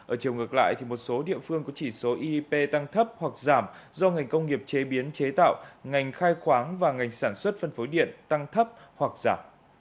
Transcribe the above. ở chiều ngược lại một số địa phương có chỉ số eep tăng thấp hoặc giảm do ngành công nghiệp chế biến chế tạo ngành khai khoáng và ngành sản xuất phân phối điện tăng thấp hoặc giảm